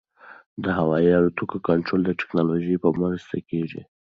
د هوايي الوتکو کنټرول د ټکنالوژۍ په مرسته کېږي.